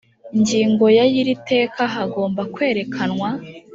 ngingo ya y iri teka hagomba kwerekanwa